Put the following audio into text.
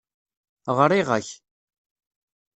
Ɣriɣ-ak.